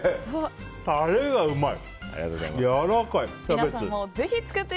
タレがうまい。